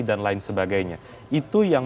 lain sebagainya itu yang